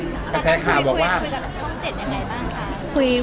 คุยกับช่วงเจ็ดยังไงบ้างคะ